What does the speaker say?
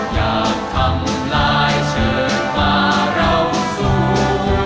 อยากทำลายเชิญมาเราสู้